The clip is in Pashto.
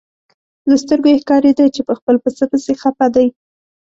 له سترګو یې ښکارېده چې په خپل پسه پسې خپه دی.